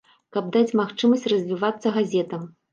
Каб даць магчымасць развівацца газетам.